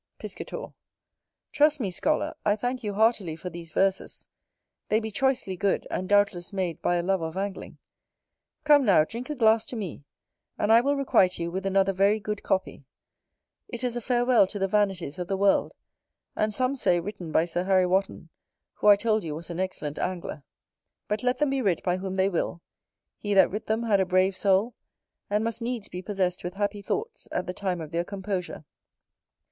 Piscator. Trust me, Scholar, I thank you heartily for these Verses: they be choicely good, and doubtless made by a lover of angling. Come, now, drink a glass to me, and I will requite you with another very good copy: it is a farewell to the vanities of the world, and some say written by Sir Harry Wotton, who I told you was an excellent angler. But let them be writ by whom they will, he that writ them had a brave soul, and must needs be possess with happy thoughts at the time of their composure.